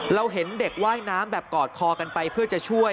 เราเห็นเด็กว่ายน้ำแบบกอดคอกันไปเพื่อจะช่วย